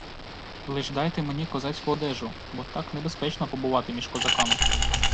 Лиш дайте мені козацьку одежу, бо так небезпечно побувати між козаками.